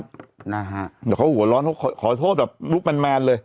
เดี๋ยวเขาหัวร้อนเขาขอโทษแบบลูกแมนเลย